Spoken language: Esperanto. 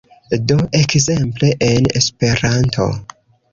Do ekzemple en Esperanto